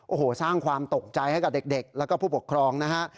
โอ้โหสร้างความตกใจให้กับเด็กแล้วก็ผู้ปกครองนะฮะ